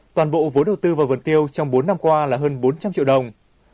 toàn bộ vốn đầu tư vào vườn tiêu trong bốn năm qua là hơn bốn trăm linh triệu đồng